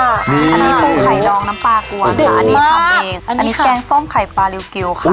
อันนี้ปรุงไข่ดองน้ำปลากวนค่ะอันนี้ทำเองอันนี้แกงส้มไข่ปลาริวกิวค่ะ